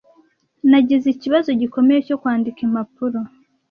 Nagize ikibazo gikomeye cyo kwandika impapuro.